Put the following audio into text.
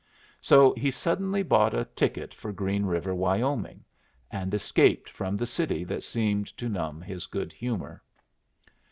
So he suddenly bought a ticket for Green River, Wyoming, and escaped from the city that seemed to numb his good humor.